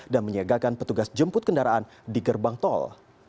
dan menyegakkan petugas jemput kendaraan di gerbang tol